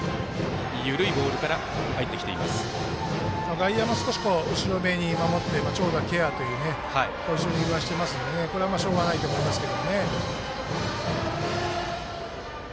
外野も少し後ろめに守って長打ケアというポジショニングはしてますのでこれはしょうがないと思いますが。